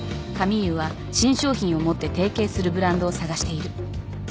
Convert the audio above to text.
カミーユは新商品をもって提携するブランドを探している